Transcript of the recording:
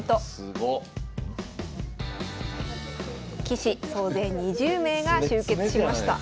棋士総勢２０名が集結しました。